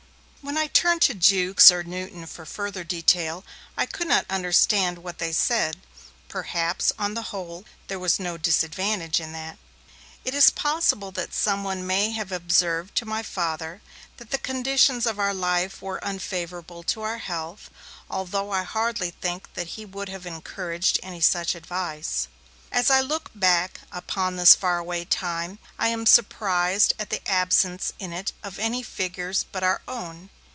When I turned to Jukes or Newton for further detail, I could not understand what they said. Perhaps, on the whole, there was no disadvantage in that. It is possible that someone may have observed to my Father that the conditions of our life were unfavourable to our health, although I hardly think that he would have encouraged any such advice. As I look back upon this far away time, I am surprised at the absence in it of any figures but our own.